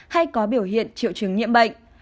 hay có biểu hiện triệu chứng nhiễm bệnh